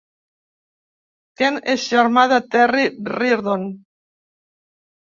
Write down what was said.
Ken és germà de Terry Reardon.